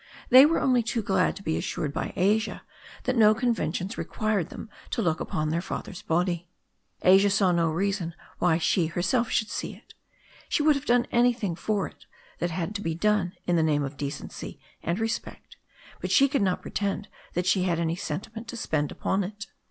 They were only too glad to be assured by Asia that no conven tions required them to look upon their father's body. Asia saw no reason why she herself should see it. She would have done anything for it that had to be done in the name of decency and respect, but she could not pretend that she had any sentiment to sp€nd upon it.